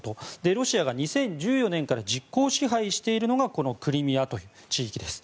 ロシアが２０１４年から実効支配しているのがこのクリミアという地域です。